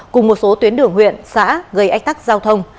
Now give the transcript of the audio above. cùng một số tuyến đường huyện xã gây ách tắc giao thông